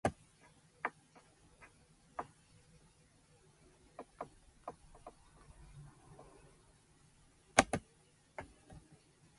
いいじゃないのダメよダメダメ